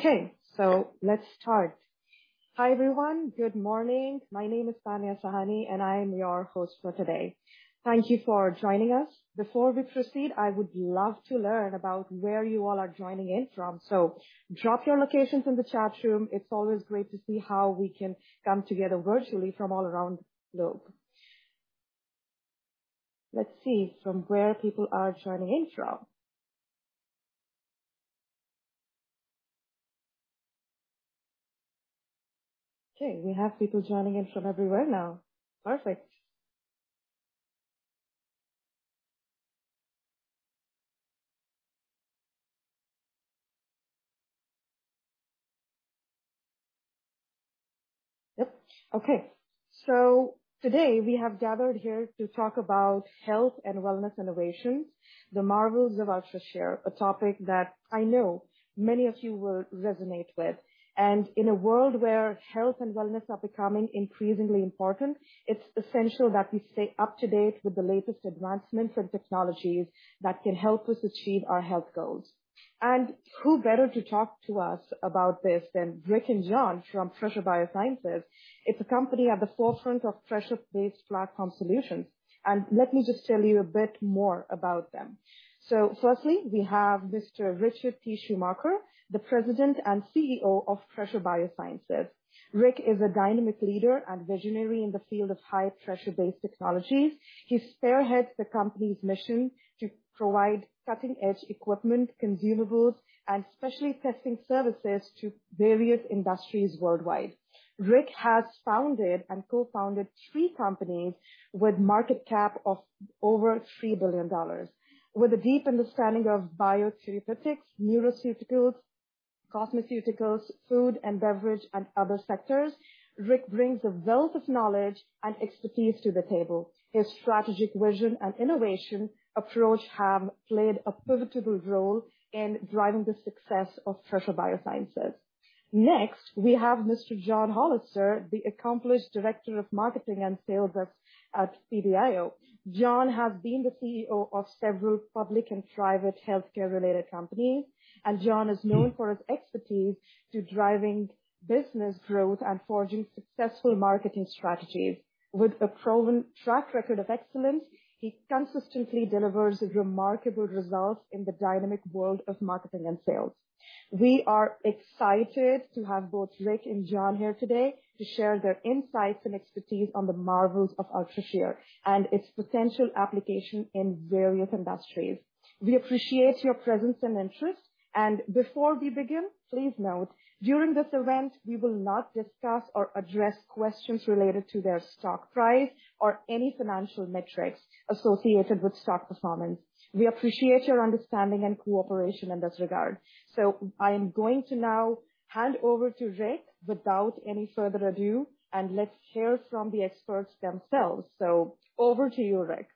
Okay, let's start. Hi, everyone. Good morning. My name is Tanya Sahani, and I am your host for today. Thank you for joining us. Before we proceed, I would love to learn about where you all are joining in from, so drop your locations in the chat room. It's always great to see how we can come together virtually from all around the globe. Let's see from where people are joining in from. Okay, we have people joining in from everywhere now. Perfect. Yep. Today, we have gathered here to talk about health and wellness innovation, the marvels of UltraShear, a topic that I know many of you will resonate with. In a world where health and wellness are becoming increasingly important, it's essential that we stay up-to-date with the latest advancements and technologies that can help us achieve our health goals. Who better to talk to us about this than Rick and John from Pressure BioSciences? It's a company at the forefront of pressure-based platform solutions. Let me just tell you a bit more about them. Firstly, we have Mr. Richard T. Schumacher, the President and CEO of Pressure BioSciences. Rick is a dynamic leader and visionary in the field of high pressure-based technologies. He spearheads the company's mission to provide cutting-edge equipment, consumables, and specialty testing services to various industries worldwide. Rick has founded and co-founded 3 companies with market cap of over $3 billion. With a deep understanding of biotherapeutics, nutraceuticals, cosmeceuticals, food and beverage, and other sectors, Rick brings a wealth of knowledge and expertise to the table. His strategic vision and innovation approach have played a pivotal role in driving the success of Pressure BioSciences. Next, we have Mr. John Hollister, the accomplished Director of Marketing and Sales at PBIO. John has been the CEO of several public and private healthcare-related companies. John is known for his expertise to driving business growth and forging successful marketing strategies. With a proven track record of excellence, he consistently delivers remarkable results in the dynamic world of marketing and sales. We are excited to have both Rick and John here today to share their insights and expertise on the marvels of UltraShear and its potential application in various industries. We appreciate your presence and interest. Before we begin, please note, during this event, we will not discuss or address questions related to their stock price or any financial metrics associated with stock performance. We appreciate your understanding and cooperation in this regard. I am going to now hand over to Rick without any further ado, and let's hear from the experts themselves. Over to you, Rick.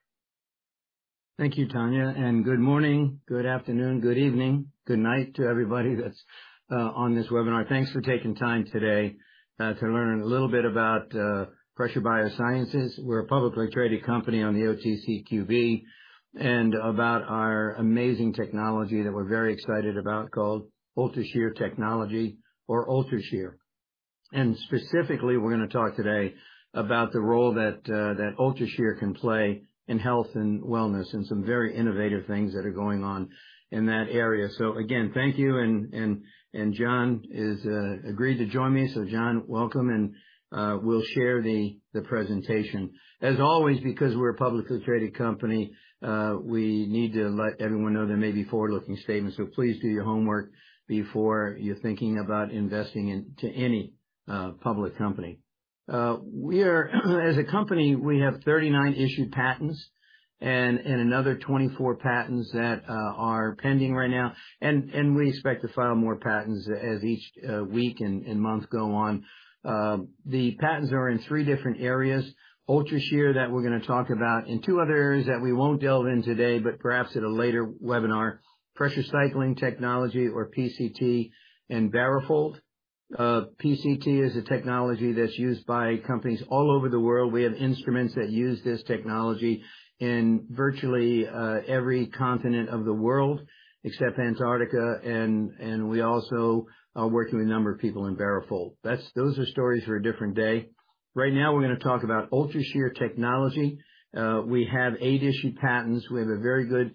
Thank you, Tanya Sahani, good morning, good afternoon, good evening, good night to everybody that's on this webinar. Thanks for taking time today to learn a little bit about Pressure BioSciences. We're a publicly traded company on the OTCQB, and about our amazing technology that we're very excited about, called UltraShear Technology or UltraShear. Specifically, we're going to talk today about the role that UltraShear can play in health and wellness, and some very innovative things that are going on in that area. Again, thank you, and John is agreed to join me. John, welcome, and we'll share the presentation. As always, because we're a publicly traded company, we need to let everyone know there may be forward-looking statements, so please do your homework before you're thinking about investing in to any public company. We are, as a company, we have 39 issued patents and, and another 24 patents that are pending right now, and, and we expect to file more patents as each week and, and month go on. The patents are in 3 different areas, UltraShear, that we're going to talk about, and 2 other areas that we won't delve in today, but perhaps at a later webinar, Pressure Cycling Technology, or PCT, and BaroFold. PCT is a technology that's used by companies all over the world. We have instruments that use this technology in virtually every continent of the world, except Antarctica, and, and we also are working with a number of people in BaroFold. Those are stories for a different day. Right now, we're going to talk about UltraShear technology. We have 8 issued patents. We have a very good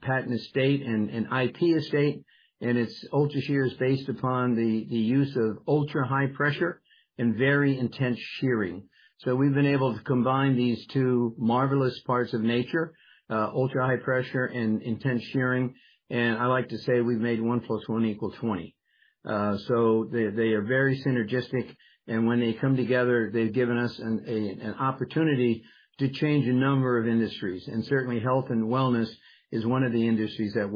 patent estate and IP estate, UltraShear is based upon the use of ultra-high pressure and very intense shearing. We've been able to combine these two marvelous parts of nature, ultra-high pressure and intense shearing, and I like to say we've made 1 + 1 = 20. They are very synergistic, and when they come together, they've given us an opportunity to change a number of industries. Certainly, health and wellness is one of the industries that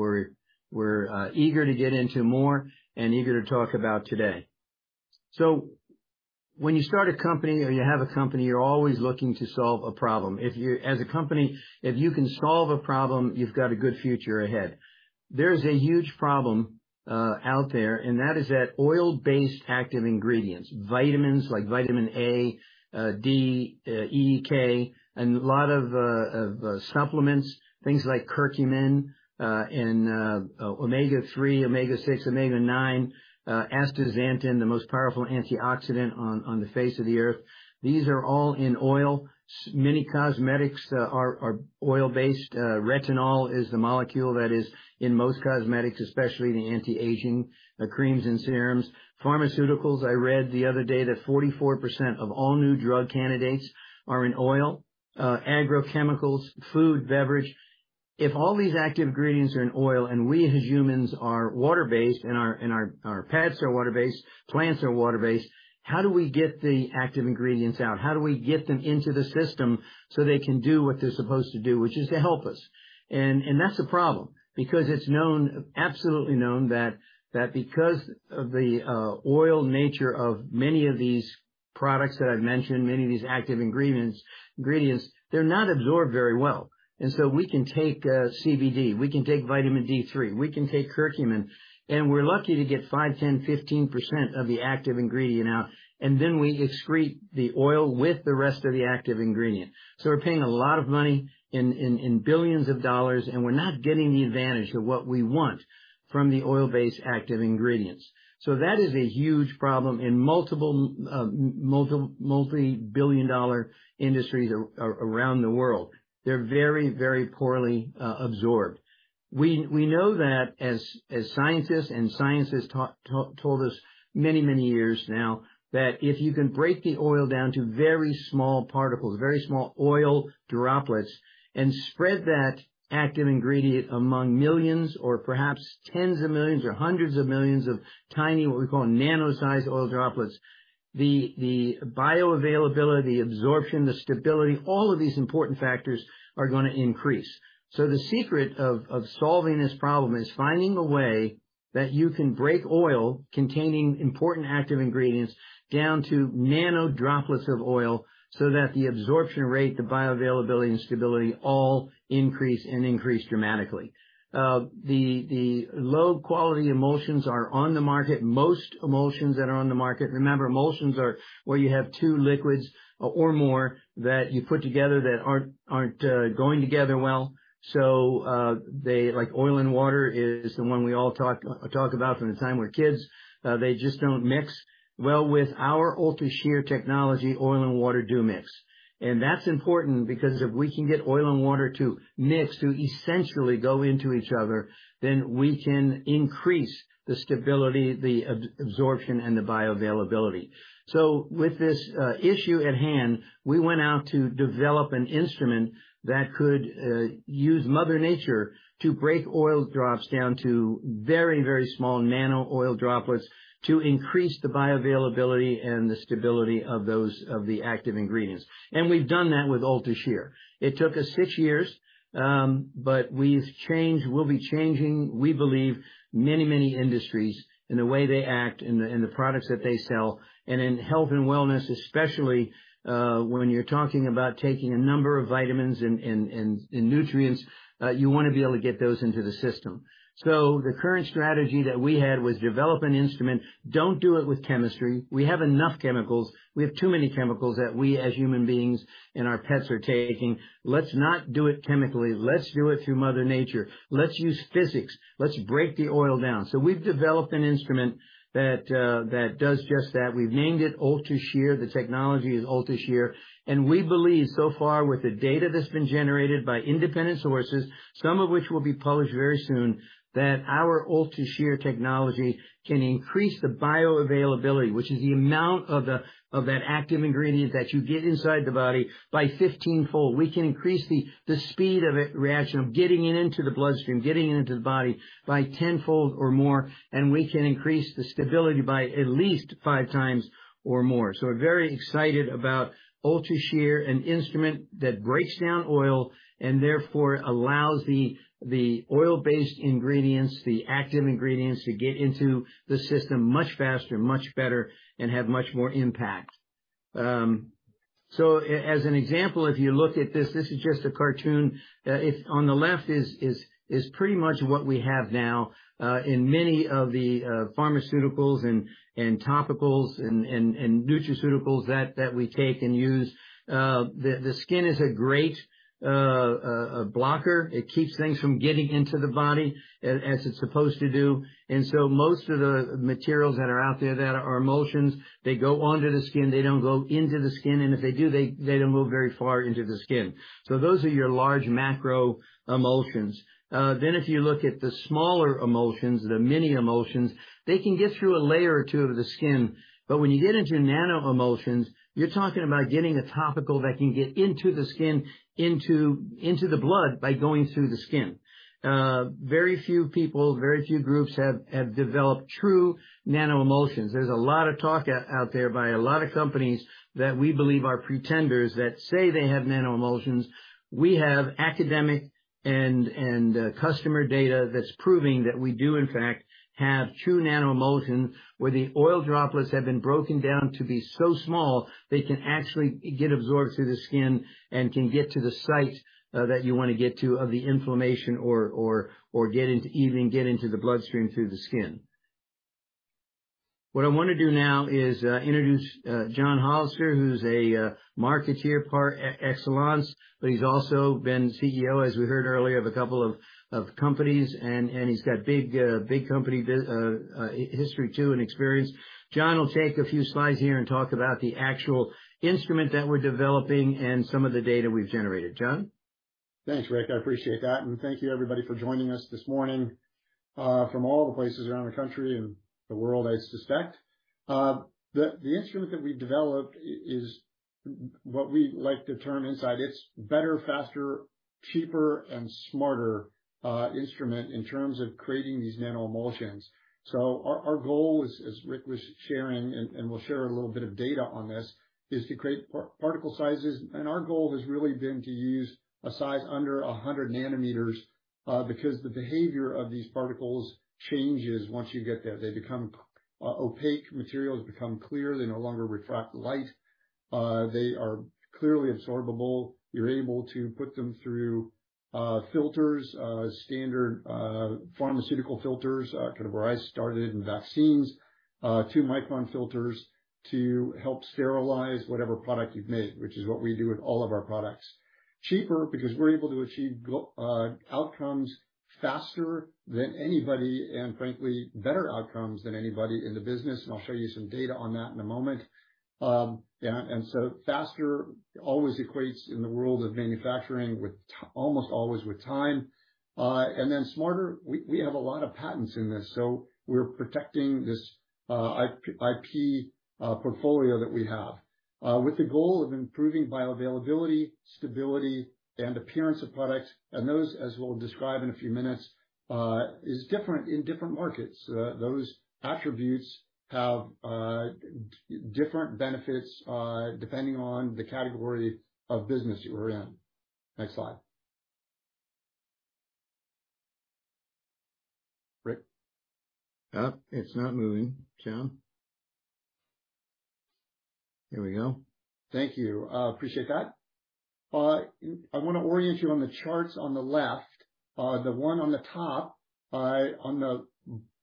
we're eager to get into more and eager to talk about today. When you start a company or you have a company, you're always looking to solve a problem. As a company, if you can solve a problem, you've got a good future ahead. There's a huge problem out there, and that is that oil-based active ingredients, vitamins like vitamin A, D, E, K, and a lot of supplements, things like curcumin, and omega-3, omega-6, omega-9, astaxanthin, the most powerful antioxidant on the face of the earth. These are all in oil. Many cosmetics are oil-based. Retinol is the molecule that is in most cosmetics, especially the anti-aging, the creams and serums. Pharmaceuticals, I read the other day, that 44% of all new drug candidates are in oil, agrochemicals, food, beverage. If all these active ingredients are in oil, and we, as humans, are water-based, and our pets are water-based, plants are water-based, how do we get the active ingredients out? How do we get them into the system so they can do what they're supposed to do, which is to help us? That's a problem because it's known, absolutely known, that, that because of the oil nature of many of these products that I've mentioned, many of these active ingredients, they're not absorbed very well. We can take CBD, we can take vitamin D3, we can take curcumin, and we're lucky to get 5%, 10%, 15% of the active ingredient out, and then we excrete the oil with the rest of the active ingredient. We're paying a lot of money in billions of dollars and we're not getting the advantage of what we want from the oil-based active ingredients. That is a huge problem in multiple multibillion-dollar industries around the world. They're very, very poorly absorbed. We know that as scientists, and scientists told us many, many years now, that if you can break the oil down to very small particles, very small oil droplets, and spread that active ingredient among millions or perhaps tens of millions or hundreds of millions of tiny, what we call nano-sized oil droplets, the bioavailability, absorption, the stability, all of these important factors are gonna increase. The secret of solving this problem is finding a way that you can break oil containing important active ingredients down to nano droplets of oil so that the absorption rate, the bioavailability and stability all increase and increase dramatically. The low-quality emulsions are on the market. Most emulsions that are on the market. Remember, emulsions are where you have two liquids or more that you put together that aren't, aren't going together well. They, like oil and water is the one we all talk, talk about from the time we're kids. They just don't mix. Well, with our UltraShear Technology, oil and water do mix. That's important because if we can get oil and water to mix, to essentially go into each other, then we can increase the stability, absorption, and the bioavailability. With this issue at hand, we went out to develop an instrument that could use Mother Nature to break oil drops down to very, very small nano oil droplets to increase the bioavailability and the stability of those, of the active ingredients. We've done that with UltraShear. It took us six years, we've changed, we'll be changing, we believe, many, many industries in the way they act, in the, in the products that they sell, and in health and wellness, especially, when you're talking about taking a number of vitamins and, and, and, and nutrients, you want to be able to get those into the system. The current strategy that we had was: develop an instrument. Don't do it with chemistry. We have enough chemicals. We have too many chemicals that we, as human beings, and our pets are taking. Let's not do it chemically. Let's do it through Mother Nature. Let's use physics. Let's break the oil down. We've developed an instrument that does just that. We've named it UltraShear. The technology is UltraShear. We believe so far with the data that's been generated by independent sources, some of which will be published very soon, that our UltraShear technology can increase the bioavailability, which is the amount of that active ingredient that you get inside the body, by 15-fold. We can increase the speed of it, reaction, of getting it into the bloodstream, getting it into the body by 10-fold or more. We can increase the stability by at least 5 times or more. We're very excited about UltraShear, an instrument that breaks down oil and therefore allows the oil-based ingredients, the active ingredients, to get into the system much faster, much better, and have much more impact. As an example, if you look at this, this is just a cartoon. It's, on the left is pretty much what we have now, in many of the pharmaceuticals and topicals and nutraceuticals that we take and use. The skin is a great blocker. It keeps things from getting into the body, as it's supposed to do. Most of the materials that are out there that are emulsions, they go onto the skin, they don't go into the skin, and if they do, they don't move very far into the skin. Those are your large macroemulsions. If you look at the smaller emulsions, the miniemulsions, they can get through a layer or 2 of the skin. When you get into nanoemulsions, you're talking about getting a topical that can get into the skin, into the blood by going through the skin. Very few people, very few groups have developed true nanoemulsions. There's a lot of talk out there by a lot of companies that we believe are pretenders, that say they have nanoemulsions. We have academic and, and, customer data that's proving that we do, in fact, have true nanoemulsion, where the oil droplets have been broken down to be so small they can actually get absorbed through the skin and can get to the site, that you want to get to of the inflammation or, or, or get into, even get into the bloodstream through the skin. What I want to do now is, introduce, John Hollister, who's a, marketer par excellence, but he's also been CEO, as we heard earlier, of a couple of, of companies, and, he's got big, big company history, too, and experience. John will take a few slides here and talk about the actual instrument that we're developing and some of the data we've generated. John? Thanks, Rick. I appreciate that, and thank you, everybody, for joining us this morning, from all the places around the country and the world, I suspect. The instrument that we've developed is what we like to term inside. It's better, faster, cheaper, and smarter instrument in terms of creating these nanoemulsions. Our goal is, as Rick was sharing, and, and we'll share a little bit of data on this, is to create particle sizes, and our goal has really been to use a size under 100 nanometers, because the behavior of these particles changes once you get there. They become opaque materials, become clear. They no longer refract light. They are clearly absorbable. You're able to put them through filters, standard pharmaceutical filters, kind of where I started in vaccines, 2 micron filters to help sterilize whatever product you've made, which is what we do with all of our products. Cheaper, because we're able to achieve outcomes faster than anybody, and frankly, better outcomes than anybody in the business, and I'll show you some data on that in a moment. Yeah, faster always equates in the world of manufacturing with almost always with time. Smarter, we, we have a lot of patents in this, so we're protecting this IP, IP portfolio that we have, with the goal of improving bioavailability, stability, and appearance of products. Those, as we'll describe in a few minutes, is different in different markets. Those attributes have different benefits, depending on the category of business you are in. Next slide. Rick? It's not moving, John. Here we go. Thank you. Appreciate that. I want to orient you on the charts on the left. The one on the top, on the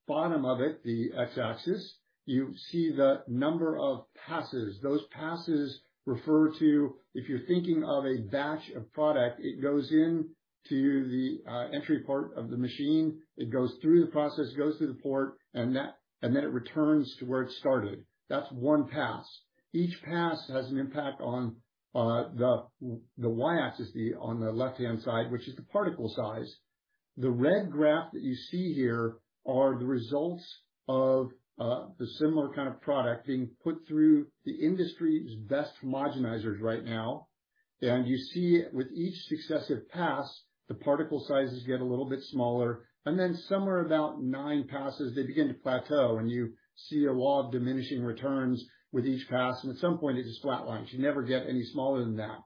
bottom of it, the X-axis, you see the number of passes. Those passes refer to, if you're thinking of a batch of product, it goes into the entry part of the machine. It goes through the process, goes through the port, and that, and then it returns to where it started. That's one pass. Each pass has an impact on the Y-axis, on the left-hand side, which is the particle size. The red graph that you see here are the results of the similar kind of product being put through the industry's best homogenizers right now. You see with each successive pass, the particle sizes get a little bit smaller. Somewhere about 9 passes, they begin to plateau. You see a law of diminishing returns with each pass. At some point, it just flatlines. You never get any smaller than that.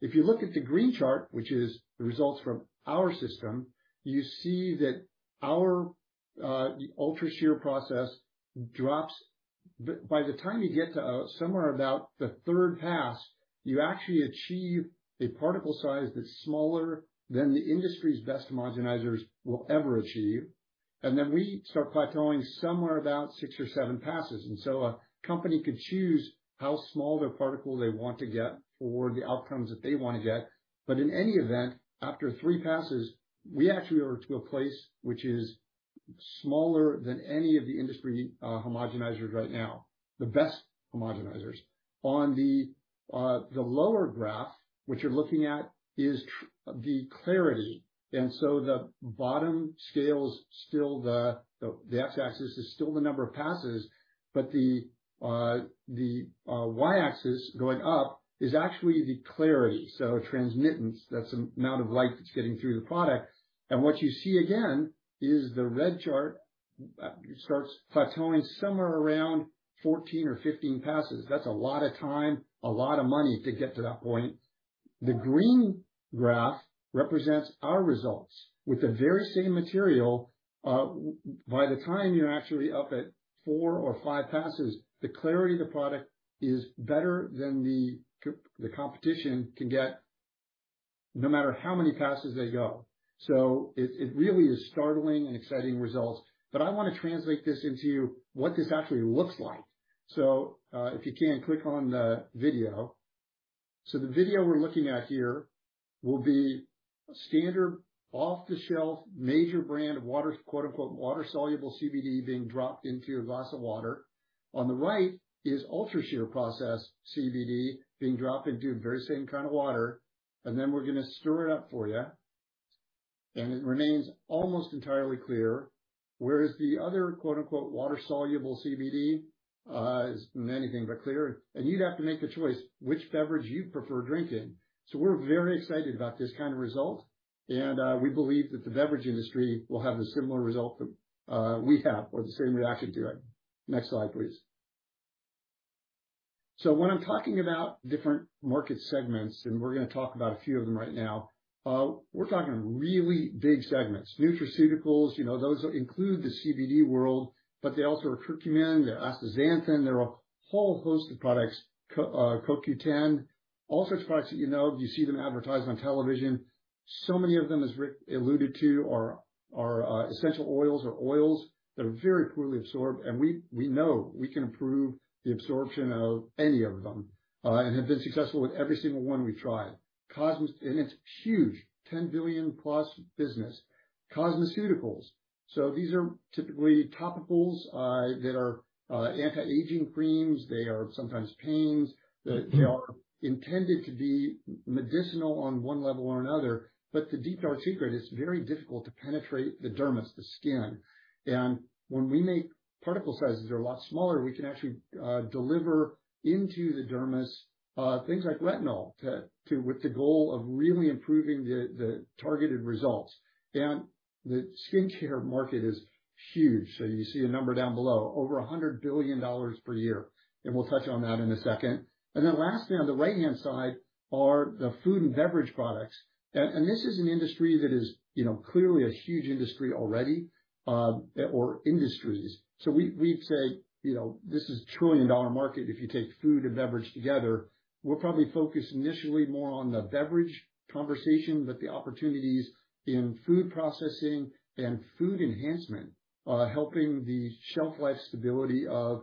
If you look at the green chart, which is the results from our system, you see that our UltraShear process drops. By the time you get to somewhere about the 3rd pass, you actually achieve a particle size that's smaller than the industry's best homogenizers will ever achieve. We start plateauing somewhere about 6 or 7 passes. A company could choose how small of a particle they want to get for the outcomes that they want to get. In any event, after three passes, we actually are to a place which is smaller than any of the industry homogenizers right now, the best homogenizers. On the lower graph, what you're looking at is the clarity. The bottom scale is still the X-axis, still the number of passes, but the Y-axis going up is actually the clarity. Transmittance, that's the amount of light that's getting through the product. What you see again, is the red chart starts plateauing somewhere around 14 or 15 passes. That's a lot of time, a lot of money to get to that point. The green graph represents our results with the very same material. by the time you're actually up at four or five passes, the clarity of the product is better than the competition can get, no matter how many passes they go. It, it really is startling and exciting results, but I want to translate this into what this actually looks like. If you can, click on the video. The video we're looking at here will be standard, off-the-shelf, major brand water, quote-unquote, "water-soluble CBD" being dropped into your glass of water. On the right is UltraShear process CBD being dropped into the very same kind of water, and then we're going to stir it up for you, and it remains almost entirely clear, whereas the other, quote-unquote, "water-soluble CBD" is anything but clear, and you'd have to make a choice which beverage you prefer drinking. We're very excited about this kind of result, and we believe that the beverage industry will have a similar result that we have or the same reaction to it. Next slide, please. When I'm talking about different market segments, and we're going to talk about a few of them right now, we're talking really big segments. Nutraceuticals, you know, those include the CBD world, but they also are curcumin, they're astaxanthin. There are a whole host of products, CoQ10, all sorts of products that you know, you see them advertised on television. Many of them, as Rick alluded to, are essential oils or oils that are very poorly absorbed, and we know we can improve the absorption of any of them and have been successful with every single one we've tried. And it's huge, $10 billion-plus business. Cosmeceuticals, so these are typically topicals, that are anti-aging creams. They are sometimes pains, that they are intended to be medicinal on one level or another, but the deep, dark secret, it's very difficult to penetrate the dermis, the skin. When we make particle sizes that are a lot smaller, we can actually deliver into the dermis, things like retinol, with the goal of really improving the targeted results. The skincare market is huge, so you see a number down below, over $100 billion per year. We'll touch on that in a second. Then lastly, on the right-hand side are the food and beverage products. This is an industry that is, you know, clearly a huge industry already, or industries. We, we'd say, you know, this is a $1 trillion market if you take food and beverage together. We're probably focused initially more on the beverage conversation, but the opportunities in food processing and food enhancement, helping the shelf life stability of,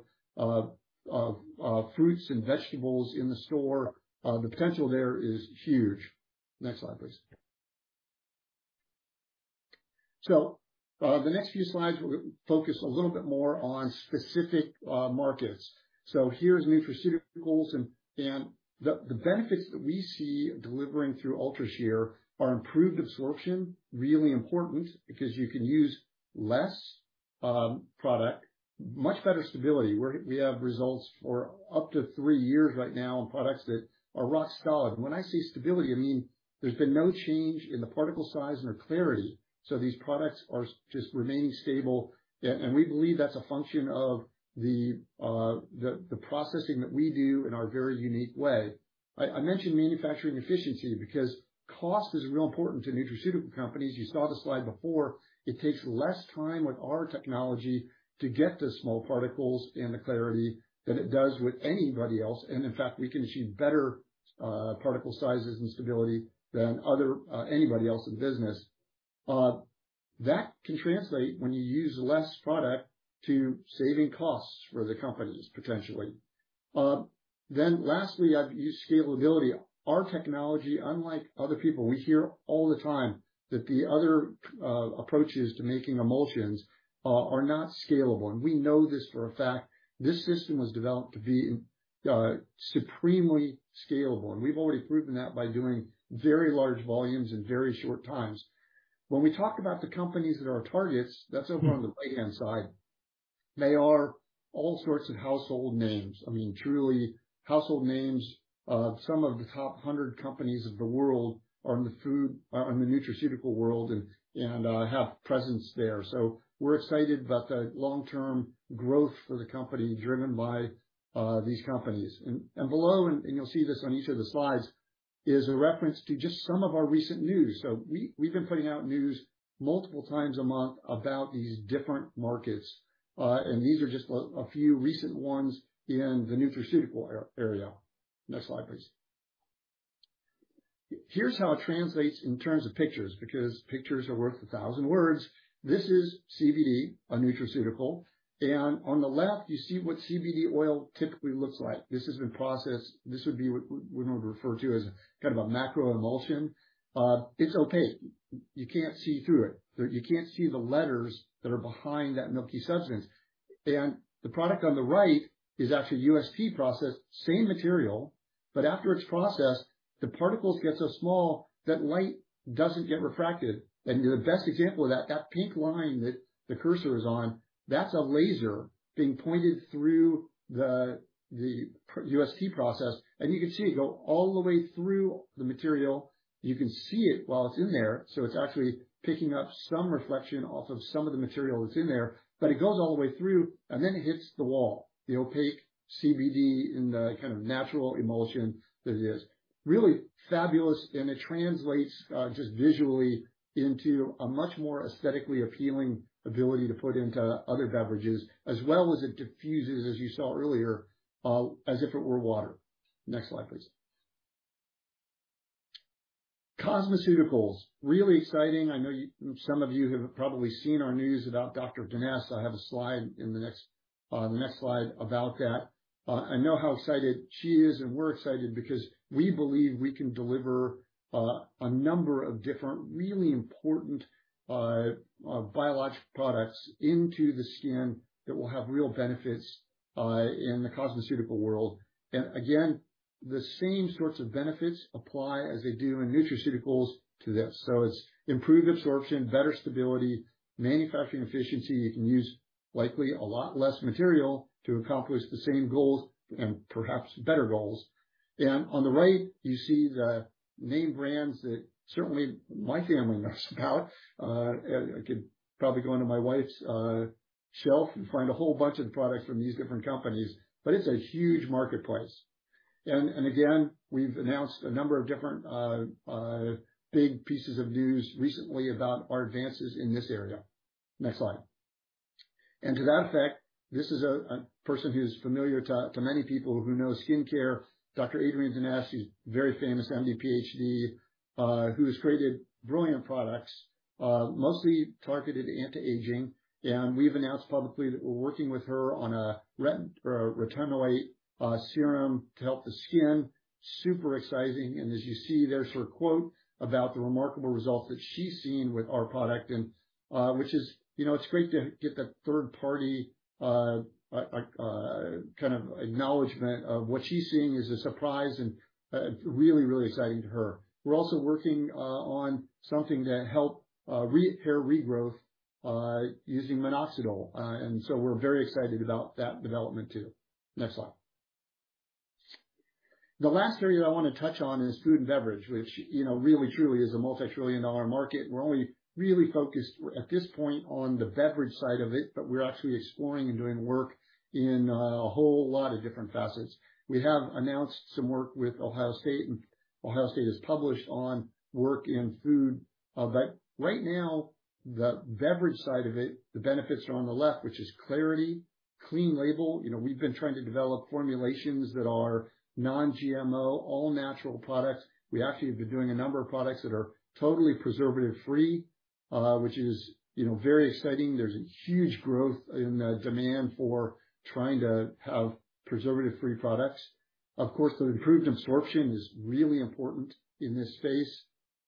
of, fruits and vegetables in the store, the potential there is huge. Next slide, please. The next few slides will focus a little bit more on specific markets. Here's nutraceuticals, and, and the, the benefits that we see delivering through UltraShear are improved absorption, really important, because you can use less product, much better stability. We have results for up to 3 years right now on products that are rock solid. When I say stability, I mean, there's been no change in the particle size or clarity, so these products are just remaining stable. We believe that's a function of the processing that we do in our very unique way. I mentioned manufacturing efficiency because cost is real important to nutraceutical companies. You saw the slide before. It takes less time with our technology to get to small particles and the clarity than it does with anybody else, and in fact, we can achieve better particle sizes and stability than other anybody else in business. That can translate, when you use less product, to saving costs for the companies, potentially. Lastly, I've used scalability. Our technology, unlike other people, we hear all the time that the other approaches to making emulsions are not scalable, and we know this for a fact. This system was developed to be supremely scalable, and we've already proven that by doing very large volumes in very short times. When we talk about the companies that are our targets, that's over on the right-hand side, they are all sorts of household names. I mean, truly household names. Some of the top 100 companies of the world are in the food, are in the nutraceutical world and have presence there. We're excited about the long-term growth for the company, driven by these companies. Below, and you'll see this on each of the slides, is a reference to just some of our recent news. We, we've been putting out news multiple times a month about these different markets, and these are just a few recent ones in the nutraceutical area. Next slide, please. Here's how it translates in terms of pictures, because pictures are worth 1,000 words. This is CBD, a nutraceutical, and on the left, you see what CBD oil typically looks like. This has been processed. This would be what we would refer to as kind of a macroemulsion. It's opaque. You can't see through it. You can't see the letters that are behind that milky substance. The product on the right is actually UST processed, same material, but after it's processed, the particles get so small that light doesn't get refracted. The best example of that, that pink line that the cursor is on, that's a laser being pointed through the UST process, and you can see it go all the way through the material. You can see it while it's in there, so it's actually picking up some reflection off of some of the material that's in there, but it goes all the way through, and then it hits the wall, the opaque CBD in the kind of natural emulsion that it is. Really fabulous, and it translates, just visually into a much more aesthetically appealing ability to put into other beverages as well as it diffuses, as you saw earlier, as if it were water. Next slide, please. Cosmeceuticals, really exciting. I know some of you have probably seen our news about Dr. Denese. I have a slide in the next, the next slide about that. I know how excited she is, and we're excited because we believe we can deliver a number of different, really important, biologic products into the skin that will have real benefits in the cosmeceutical world. Again, the same sorts of benefits apply as they do in nutraceuticals to this. It's improved absorption, better stability, manufacturing efficiency. You can use likely a lot less material to accomplish the same goals and perhaps better goals. On the right, you see the name brands that certainly my family knows about. I, I could probably go into my wife's shelf and find a whole bunch of products from these different companies, but it's a huge marketplace. Again, we've announced a number of different, big pieces of news recently about our advances in this area. Next slide.... To that effect, this is a person who's familiar to many people who know skincare, Dr. Adrienne Denese. She's very famous, M.D., Ph.D., who's created brilliant products, mostly targeted anti-aging. We've announced publicly that we're working with her on a retinoid serum to help the skin. Super exciting, as you see, there's her quote about the remarkable results that she's seen with our product, which is, you know, it's great to get that third party kind of acknowledgement of what she's seeing is a surprise and really, really exciting to her. We're also working on something to help hair regrowth using minoxidil. We're very excited about that development, too. Next slide. The last area I want to touch on is food and beverage, which, you know, really truly is a multi-trillion dollar market. We're only really focused, at this point, on the beverage side of it, but we're actually exploring and doing work in a whole lot of different facets. We have announced some work with Ohio State, and Ohio State has published on work in food, but right now, the beverage side of it, the benefits are on the left, which is clarity, clean label. You know, we've been trying to develop formulations that are non-GMO, all-natural products. We actually have been doing a number of products that are totally preservative-free, which is, you know, very exciting. There's a huge growth in demand for trying to have preservative-free products. Of course, the improved absorption is really important in this space.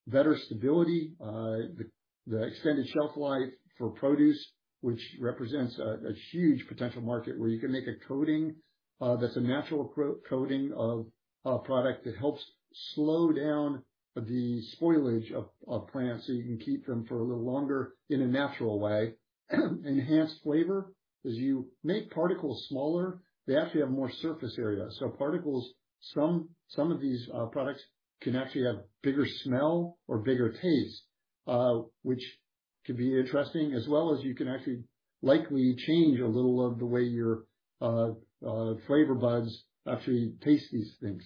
Better stability, the extended shelf life for produce, which represents a huge potential market, where you can make a coating, that's a natural co- coating of a product that helps slow down the spoilage of plants, so you can keep them for a little longer in a natural way. Enhanced flavor. As you make particles smaller, they actually have more surface area, so particles, some of these products can actually have bigger smell or bigger taste, which can be interesting, as well as you can actually likely change a little of the way your flavor buds actually taste these things.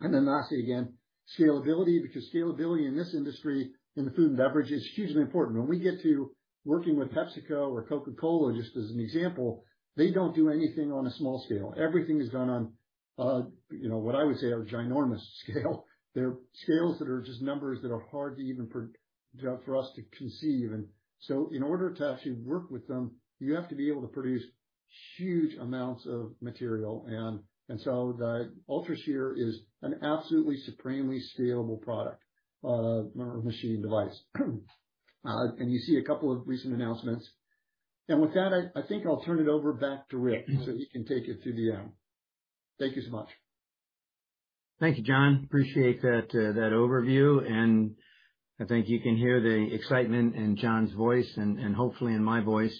Lastly, again, scalability, because scalability in this industry, in the food and beverage, is hugely important. When we get to working with PepsiCo or Coca-Cola, just as an example, they don't do anything on a small scale. Everything is done on, you know, what I would say are ginormous scale. They're scales that are just numbers that are hard to even for, for us to conceive. So in order to actually work with them, you have to be able to produce huge amounts of material. So the UltraShear is an absolutely supremely scalable product, or machine device. You see a couple of recent announcements. With that, I, I think I'll turn it over back to Rick, so he can take you through the end. Thank you so much. Thank you, John. Appreciate that overview, and I think you can hear the excitement in John's voice and, hopefully, in my voice.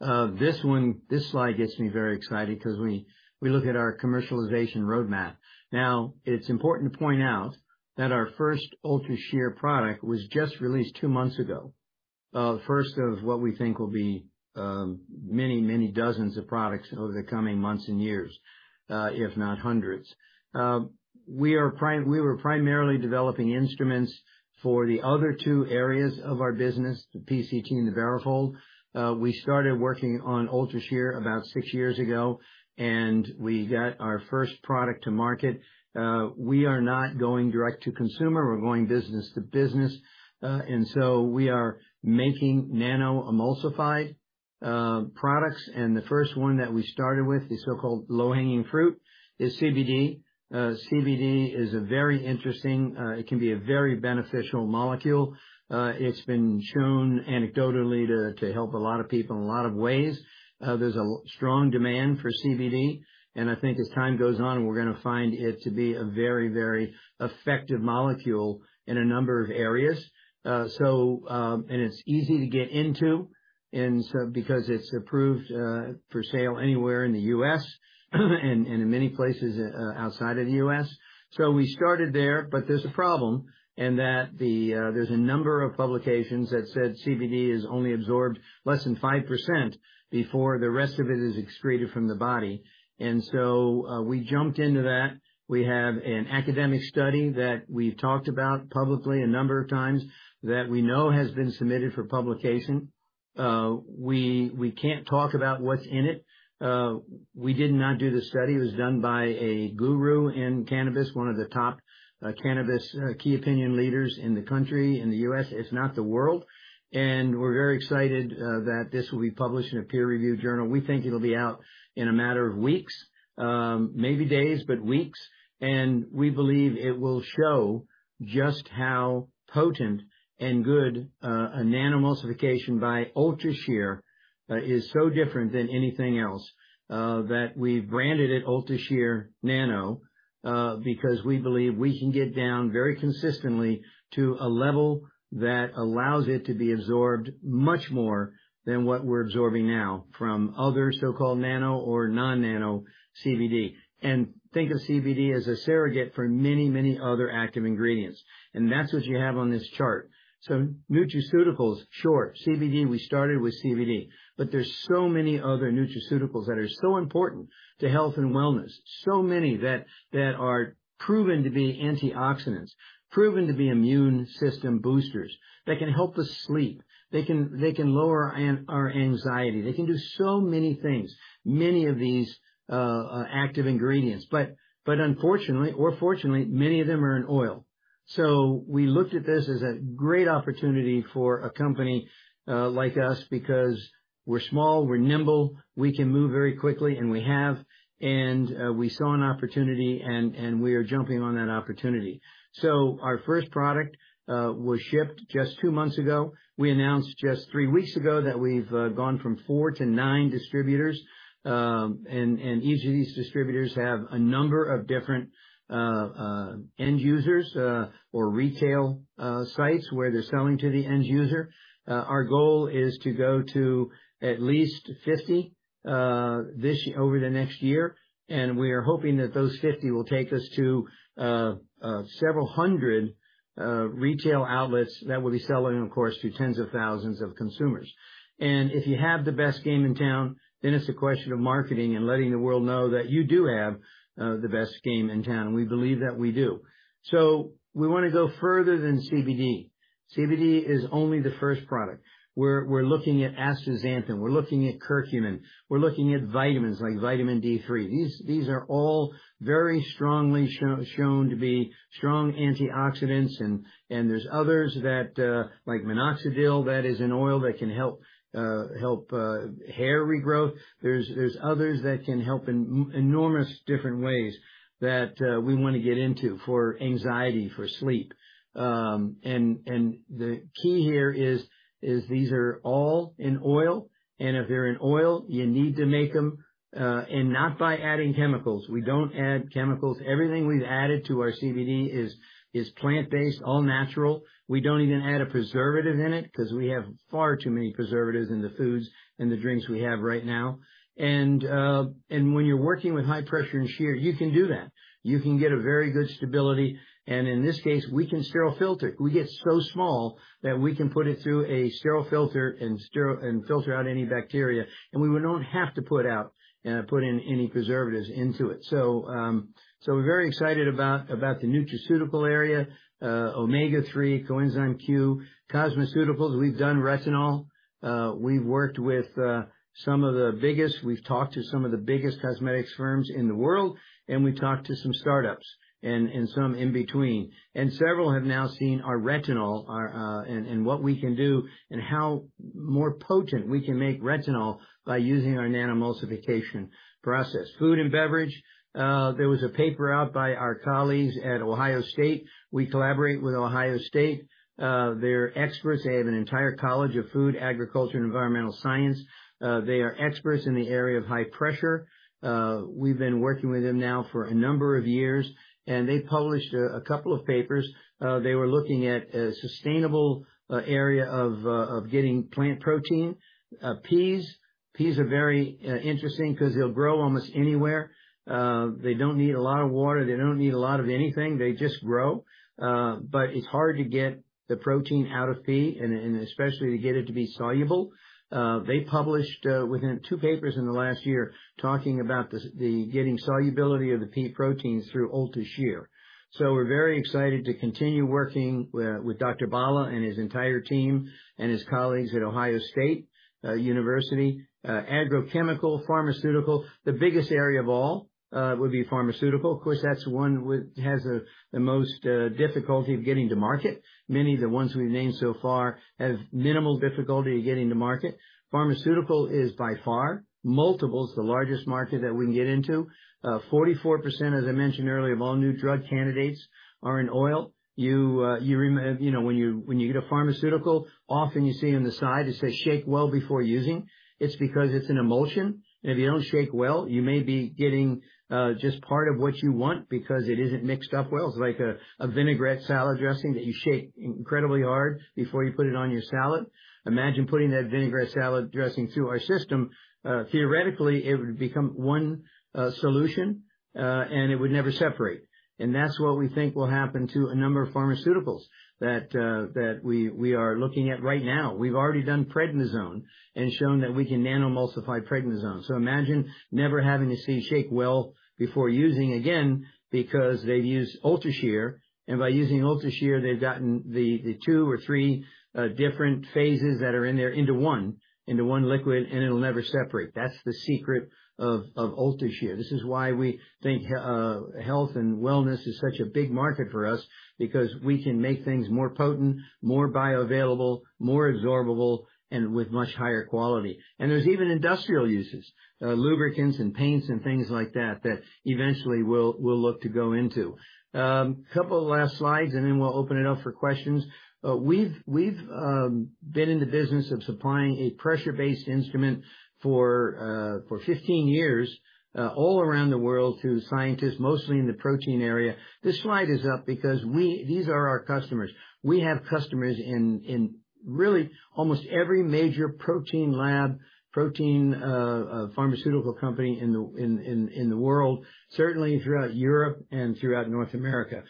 This one, this slide gets me very excited because we look at our commercialization roadmap. Now, it's important to point out that our first UltraShear product was just released 2 months ago, the first of what we think will be many, many dozens of products over the coming months and years, if not hundreds. We were primarily developing instruments for the other two areas of our business, the PCT and the BaroFold. We started working on UltraShear about 6 years ago, and we got our first product to market. We are not going direct to consumer. We're going business to business. We are making nano-emulsified products, and the first one that we started with, the so-called low-hanging fruit, is CBD. CBD is a very interesting, it can be a very beneficial molecule. It's been shown anecdotally to, to help a lot of people in a lot of ways. There's a strong demand for CBD, and I think as time goes on, we're going to find it to be a very, very effective molecule in a number of areas. It's easy to get into, because it's approved for sale anywhere in the U.S., and in many places outside of the U.S.. We started there, but there's a problem in that the, there's a number of publications that said CBD is only absorbed less than 5% before the rest of it is excreted from the body. We jumped into that. We have an academic study that we've talked about publicly a number of times, that we know has been submitted for publication. We, we can't talk about what's in it. We did not do the study. It was done by a guru in cannabis, one of the top, cannabis, key opinion leaders in the country, in the U.S., if not the world. We're very excited that this will be published in a peer-reviewed journal. We think it'll be out in a matter of weeks, maybe days, but weeks. We believe it will show just how potent and good a nano-emulsification by UltraShear is so different than anything else that we've branded it UltraShear Nano because we believe we can get down very consistently to a level that allows it to be absorbed much more than what we're absorbing now from other so-called nano or non-nano CBD. Think of CBD as a surrogate for many, many other active ingredients, and that's what you have on this chart. Nutraceuticals, sure, CBD, we started with CBD, but there's so many other nutraceuticals that are so important to health and wellness, so many that, that are proven to be antioxidants, proven to be immune system boosters, that can help us sleep. They can, they can lower our anxiety. They can do so many things, many of these, active ingredients, but, but unfortunately, or fortunately, many of them are in oil. We looked at this as a great opportunity for a company, like us, because we're small, we're nimble, we can move very quickly, and we have. We saw an opportunity, and, we are jumping on that opportunity. Our first product, was shipped just two months ago. We announced just three weeks ago that we've, gone from four to nine distributors, and, each of these distributors have a number of different, end users, or retail, sites where they're selling to the end user. Our goal is to go to at least 50 this year over the next year, we are hoping that those 50 will take us to several hundred retail outlets that will be selling, of course, to tens of thousands of consumers. If you have the best game in town, then it's a question of marketing and letting the world know that you do have the best game in town. We believe that we do. We wanna go further than CBD. CBD is only the first product. We're looking at astaxanthin, we're looking at curcumin, we're looking at vitamins, like vitamin D3. These, these are all very strongly shown to be strong antioxidants, and there's others that like minoxidil, that is an oil that can help help hair regrowth. There's, there's others that can help in enormous different ways that we wanna get into for anxiety, for sleep. The key here is, is these are all in oil, and if they're in oil, you need to make them, and not by adding chemicals. We don't add chemicals. Everything we've added to our CBD is, is plant-based, all-natural. We don't even add a preservative in it, 'cause we have far too many preservatives in the foods and the drinks we have right now. When you're working with high pressure and shear, you can do that. You can get a very good stability, and in this case, we can sterile filter it. We get so small, that we can put it through a sterile filter and sterile and filter out any bacteria, and we would not have to put in any preservatives into it. We're very excited about, about the nutraceutical area, omega-3 Coenzyme Q10. Cosmeceuticals, we've done retinol. We've worked with some of the biggest, we've talked to some of the biggest cosmetics firms in the world, and we've talked to some startups and, and some in between. Several have now seen our retinol, our, and what we can do, and how more potent we can make retinol by using our nano-emulsification process. Food and beverage, there was a paper out by our colleagues at Ohio State. We collaborate with Ohio State. They're experts. They have an entire College of Food, Agricultural, and Environmental Sciences. They are experts in the area of high pressure. We've been working with them now for a number of years, and they published a, a couple of papers. They were looking at a sustainable area of of getting plant protein. Peas. Peas are very interesting because they'll grow almost anywhere. They don't need a lot of water, they don't need a lot of anything. They just grow. But it's hard to get the protein out of pea and, and especially to get it to be soluble. They published within two papers in the last year, talking about the s- the getting solubility of the pea proteins through UltraShear. We're very excited to continue working with, with V.M. Balasubramaniam and his entire team and his colleagues at The Ohio State University. Agrochemical, pharmaceutical, the biggest area of all, would be pharmaceutical. Of course, that's one which has the, the most difficulty of getting to market. Many of the ones we've named so far have minimal difficulty getting to market. Pharmaceutical is by far, multiples, the largest market that we can get into. 44%, as I mentioned earlier, of all new drug candidates are in oil. You know, when you, when you get a pharmaceutical, often you see on the side, it says, "Shake well before using." It's because it's an emulsion, and if you don't shake well, you may be getting just part of what you want because it isn't mixed up well. It's like a, a vinaigrette salad dressing that you shake incredibly hard before you put it on your salad. Imagine putting that vinaigrette salad dressing through our system. Theoretically, it would become one solution, and it would never separate. That's what we think will happen to a number of pharmaceuticals that we, we are looking at right now. We've already done prednisone and shown that we can nano-emulsify prednisone. Imagine never having to see, "Shake well before using" again because they've used UltraShear, and by using UltraShear, they've gotten the two or three different phases that are in there into one, into one liquid, and it'll never separate. That's the secret of UltraShear. This is why we think health and wellness is such a big market for us, because we can make things more potent, more bioavailability, more absorbable, and with much higher quality. There's even industrial uses, lubricants and paints and things like that, that eventually we'll, we'll look to go into. A couple of last slides, and then we'll open it up for questions. We've, we've been in the business of supplying a pressure-based instrument for 15 years, all around the world to scientists, mostly in the protein area. This slide is up because these are our customers. We have customers in, in really almost every major protein lab, protein, pharmaceutical company in the world, certainly throughout Europe and throughout North America.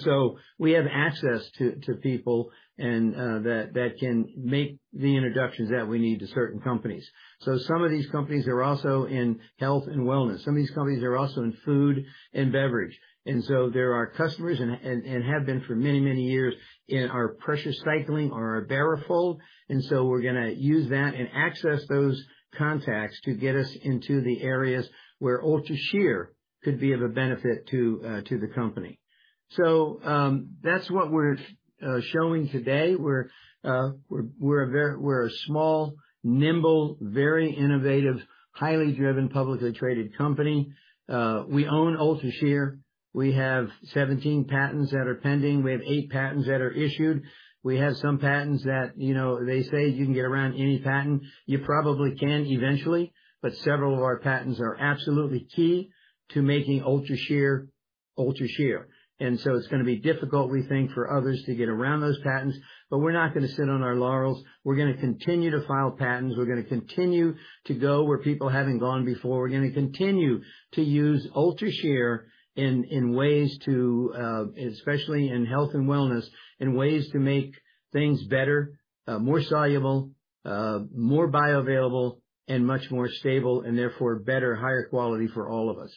So we have access to people and that can make the introductions that we need to certain companies. Some of these companies are also in health and wellness. Some of these companies are also in food and beverage. They're our customers and have been for many, many years in our Pressure Cycling or our BaroFold. We're going to use that and access those contacts to get us into the areas where UltraShear could be of a benefit to the company. That's what we're showing today. We're a small, nimble, very innovative, highly driven, publicly traded company. We own UltraShear. We have 17 patents that are pending. We have eight patents that are issued. We have some patents that, you know, they say you can get around any patent. You probably can, eventually, but several of our patents are absolutely key to making UltraShear, UltraShear. It's going to be difficult, we think, for others to get around those patents. We're not going to sit on our laurels. We're gonna continue to file patents. We're gonna continue to go where people haven't gone before. We're gonna continue to use UltraShear in, in ways to, especially in health and wellness, in ways to make things better, more soluble, more bioavailability, and much more stable, and therefore, better, higher quality for all of us.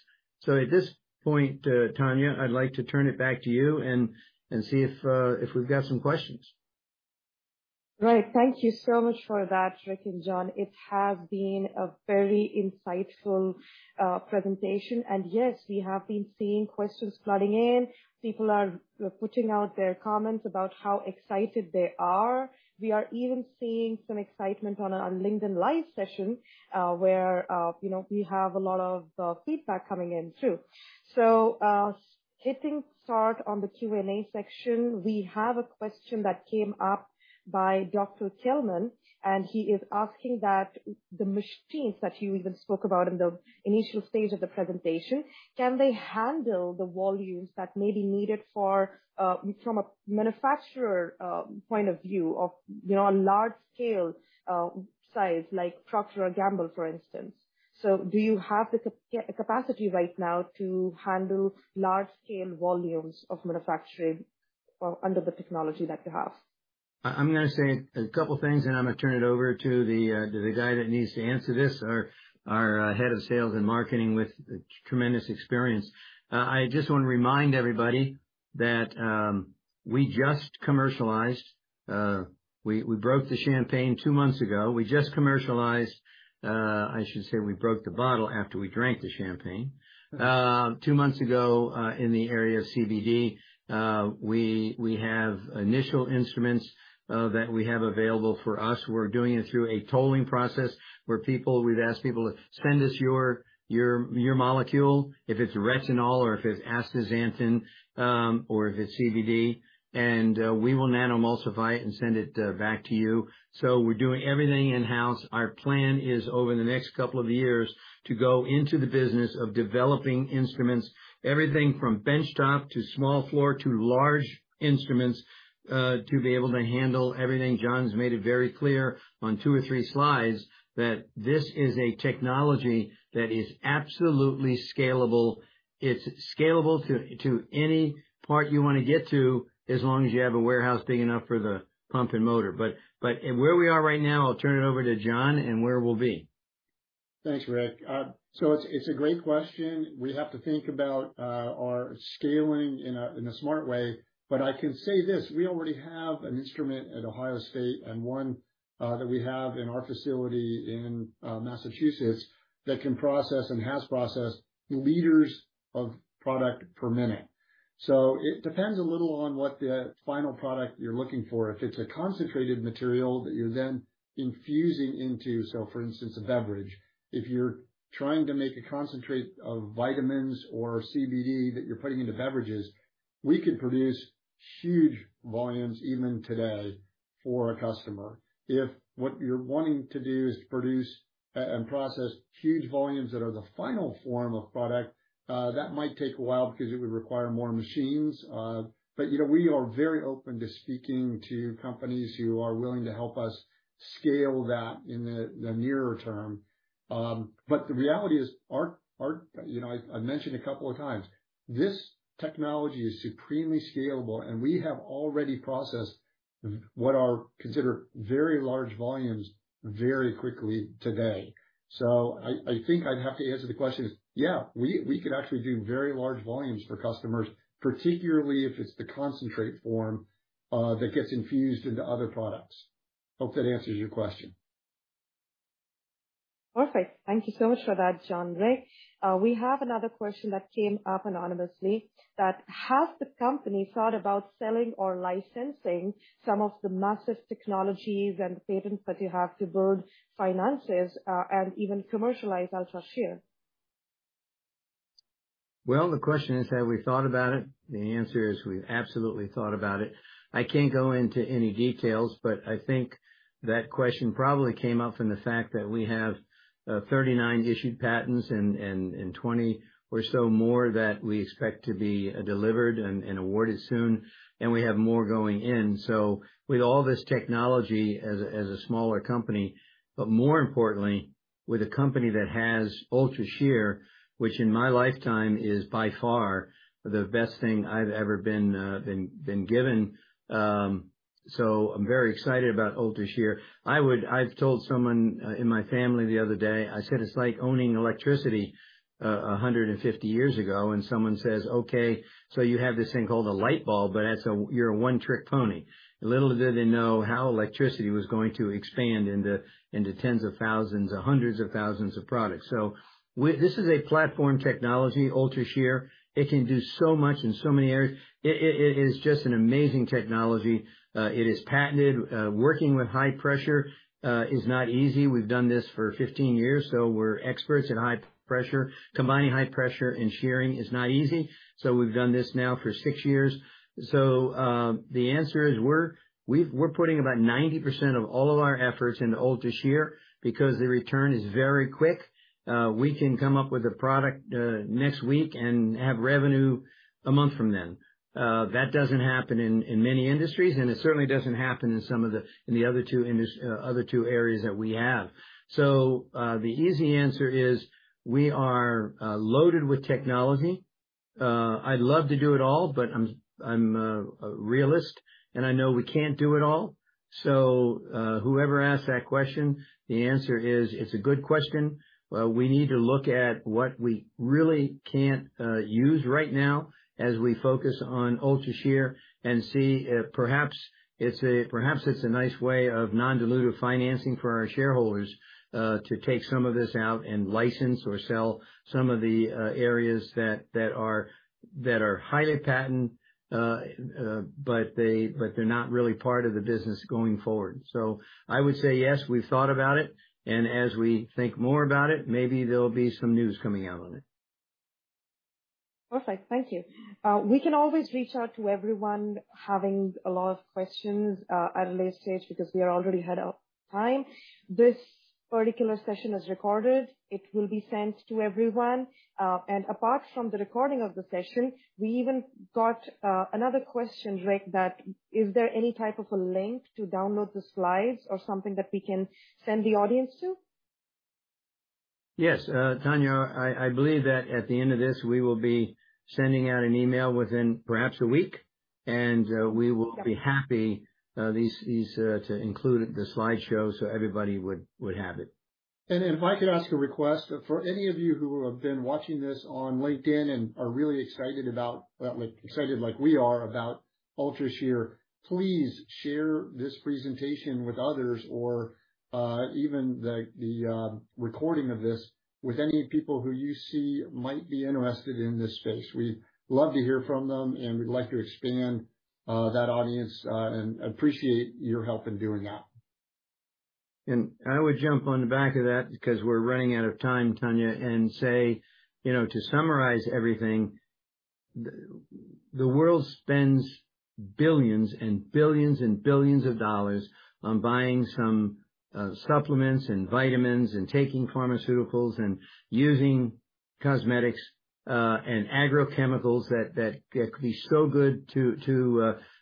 At this point, Tanya, I'd like to turn it back to you and, and see if, if we've got some questions. Right. Thank you so much for that, Rick and John. It has been a very insightful presentation, and yes, we have been seeing questions flooding in. People are putting out their comments about how excited they are. We are even seeing some excitement on our LinkedIn Live session, where, you know, we have a lot of feedback coming in, too. Hitting start on the Q&A section, we have a question that came up by Dr. Tillman, and he is asking that the machines that you even spoke about in the initial stage of the presentation, can they handle the volumes that may be needed for from a manufacturer point of view, of, you know, on large scale size, like Procter & Gamble, for instance? Do you have the capacity right now to handle large-scale volumes of manufacturing under the technology that you have? I, I'm gonna say a couple things, and I'm gonna turn it over to the to the guy that needs to answer this, our, our head of sales and marketing, with tremendous experience. I just want to remind everybody that we just commercialized, we, we broke the champagne 2 months ago. We just commercialized. I should say we broke the bottle after we drank the champagne 2 months ago in the area of CBD. We, we have initial instruments that we have available for us. We're doing it through a tolling process, where people- we've asked people to send us your, your, your molecule, if it's retinol or if it's astaxanthin, or if it's CBD, and we will nano-emulsify it and send it back to you. We're doing everything in-house. Our plan is, over the next couple of years, to go into the business of developing instruments, everything from benchtop, to small floor, to large instruments, to be able to handle everything. John's made it very clear on two or three slides that this is a technology that is absolutely scalable. It's scalable to, to any part you want to get to, as long as you have a warehouse big enough for the pump and motor. Where we are right now, I'll turn it over to John and where we'll be. Thanks, Rick. It's, it's a great question. We have to think about our scaling in a, in a smart way. I can say this: we already have an instrument at Ohio State and one that we have in our facility in Massachusetts, that can process and has processed liters of product per minute. It depends a little on what the final product you're looking for. If it's a concentrated material that you're then infusing into, so for instance, a beverage, if you're trying to make a concentrate of vitamins or CBD that you're putting into beverages, we could produce huge volumes, even today, for a customer. If what you're wanting to do is produce and process huge volumes that are the final form of product, that might take a while because it would require more machines. You know, we are very open to speaking to companies who are willing to help us scale that in the nearer term. The reality is, our, our, you know, I, I've mentioned a couple of times, this technology is supremely scalable, and we have already processed what are considered very large volumes very quickly today. I, I think I'd have to answer the question is, yeah, we, we could actually do very large volumes for customers, particularly if it's the concentrate form that gets infused into other products. Hope that answers your question. Perfect. Thank you so much for that, John and Rick. We have another question that came up anonymously, that has the company thought about selling or licensing some of the massive technologies and patents that you have to build finances and even commercialize UltraShear? The question is, have we thought about it? The answer is, we've absolutely thought about it. I can't go into any details, but I think that question probably came up from the fact that we have 39 issued patents and 20 or so more that we expect to be delivered and awarded soon, and we have more going in. With all this technology as, as a smaller company, but more importantly, with a company that has UltraShear, which in my lifetime is by far the best thing I've ever been given. I'm very excited about UltraShear. I would-- I've told someone in my family the other day, I said, "It's like owning electricity, 150 years ago," and someone says, "Okay, so you have this thing called a light bulb, but that's a, you're a one-trick pony." Little did they know how electricity was going to expand into, into tens of thousands or hundreds of thousands of products. We, this is a platform technology, UltraShear. It can do so much in so many areas. It, it, it is just an amazing technology. It is patented. Working with high pressure is not easy. We've done this for 15 years. We're experts at high pressure. Combining high pressure and shearing is not easy. We've done this now for 6 years. The answer is, we're putting about 90% of all of our efforts into UltraShear because the return is very quick. We can come up with a product next week and have revenue a month from then. That doesn't happen in many industries, and it certainly doesn't happen in some of the other two areas that we have. The easy answer is, we are loaded with technology. I'd love to do it all, but I'm a realist, and I know we can't do it all. Whoever asked that question, the answer is, it's a good question. We need to look at what we really can't use right now as we focus on UltraShear and see if perhaps it's a, perhaps it's a nice way of non-dilutive financing for our shareholders to take some of this out and license or sell some of the areas that, that are, that are highly patent, but they, but they're not really part of the business going forward. I would say, yes, we've thought about it, and as we think more about it, maybe there'll be some news coming out on it. Perfect. Thank you. We can always reach out to everyone having a lot of questions, at a later stage because we are already out of time. This particular session is recorded. It will be sent to everyone. Apart from the recording of the session, we even got another question, Rick, that, "Is there any type of a link to download the slides or something that we can send the audience to? Yes, Tanya, I, I believe that at the end of this, we will be sending out an email within perhaps a week, and we will be happy, these, these, to include the slideshow so everybody would, would have it. If I could ask a request, for any of you who have been watching this on LinkedIn and are really excited about, well, excited like we are about UltraShear, please share this presentation with others or, even the, the, recording of this with any people who you see might be interested in this space. We'd love to hear from them, and we'd like to expand that audience and appreciate your help in doing that. I would jump on the back of that because we're running out of time, Tanya, and say, you know, to summarize everything, the world spends $billions and billions and billions on buying some supplements and vitamins and taking pharmaceuticals and using cosmetics and agrochemicals, that, that, that could be so good to,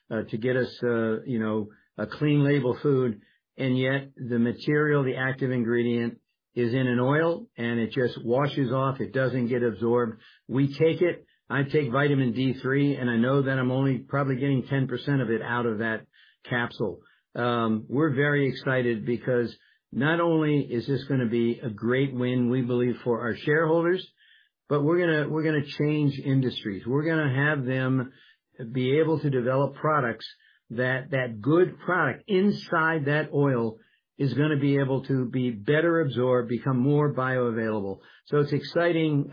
to get us, you know, a clean label food. Yet, the material, the active ingredient, is in an oil, and it just washes off. It doesn't get absorbed. We take it. I take vitamin D3, and I know that I'm only probably getting 10% of it out of that capsule. We're very excited because not only is this gonna be a great win, we believe, for our shareholders, but we're gonna, we're gonna change industries. We're gonna have them be able to develop products that, that good product inside that oil is gonna be able to be better absorbed, become more bioavailable. It's exciting,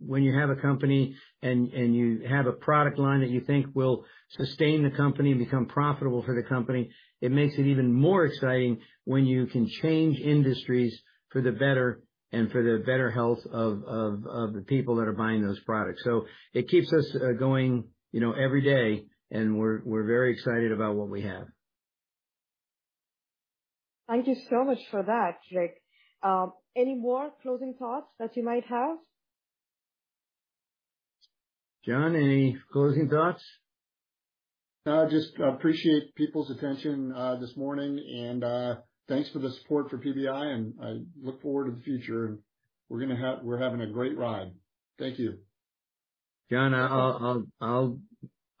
when you have a company and, and you have a product line that you think will sustain the company, become profitable for the company. It makes it even more exciting when you can change industries for the better and for the better health of, of, of the people that are buying those products. It keeps us, going, you know, every day, and we're, we're very excited about what we have. Thank you so much for that, Rick. Any more closing thoughts that you might have? John, any closing thoughts? No, just appreciate people's attention, this morning, and, thanks for the support for PBI, and I look forward to the future. We're gonna have-- we're having a great ride. Thank you. John, I'll, I'll,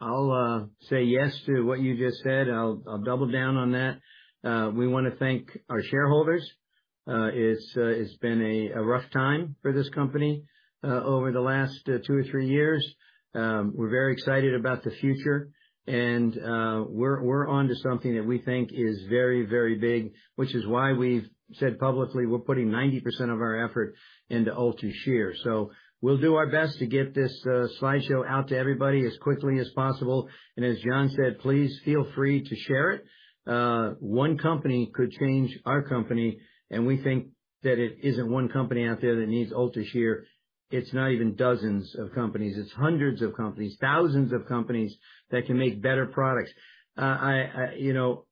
I'll, I'll say yes to what you just said. I'll, I'll double down on that. We want to thank our shareholders. It's, it's been a, a rough time for this company over the last two or three years. We're very excited about the future, and we're, we're onto something that we think is very, very big, which is why we've said publicly we're putting 90% of our effort into UltraShear. We'll do our best to get this slideshow out to everybody as quickly as possible, and as John said, please feel free to share it. One company could change our company, and we think that it isn't one company out there that needs UltraShear. It's not even dozens of companies. It's hundreds of companies, thousands of companies, that can make better products. I, you know,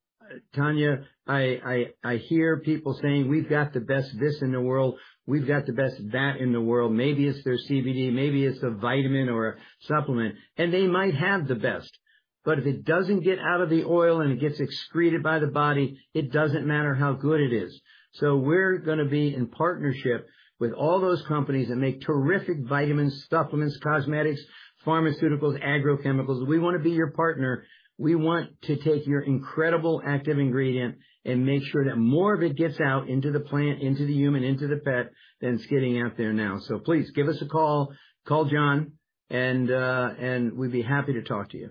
Tanya, I hear people saying, "We've got the best this in the world. We've got the best that in the world." Maybe it's their CBD, maybe it's a vitamin or a supplement, and they might have the best, but if it doesn't get out of the oil and it gets excreted by the body, it doesn't matter how good it is. We're gonna be in partnership with all those companies that make terrific vitamins, supplements, cosmetics, pharmaceuticals, agrochemicals. We want to be your partner. We want to take your incredible active ingredient and make sure that more of it gets out into the plant, into the human, into the pet than it's getting out there now. Please give us a call. Call John, and we'd be happy to talk to you.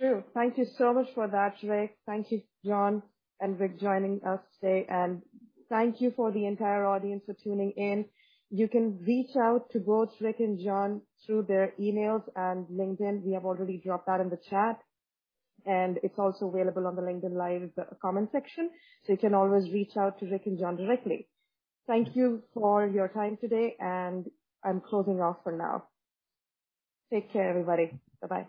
True. Thank you so much for that, Rick. Thank you, John and Rick, joining us today, and thank you for the entire audience for tuning in. You can reach out to both Rick and John through their emails and LinkedIn. We have already dropped that in the chat, and it's also available on the LinkedIn Live comment section, so you can always reach out to Rick and John directly. Thank you for your time today, and I'm closing off for now. Take care, everybody. Bye-bye.